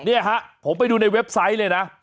เนี่ยฮะผมไปดูในเว็บไซต์เลยนะ